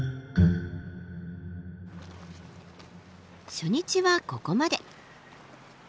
初日はここまで。